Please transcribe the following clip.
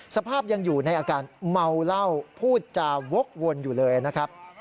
สภาพยังอยู่ในอาการเมาเหล้าพูดจาวกวนอยู่เลยนะครับ